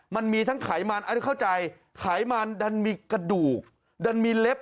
มันมีทั้งไขมันอันนี้เข้าใจไขมันดันมีกระดูกดันมีเล็บ